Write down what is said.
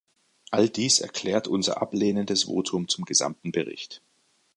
All dies erklärt unser ablehnendes Votum zum gesamten Bericht.